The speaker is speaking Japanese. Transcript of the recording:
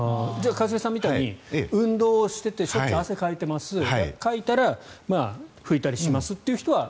一茂さんみたいに運動をしていてしょっちゅう汗をかいていますかいたら拭いたりしますっていう方は。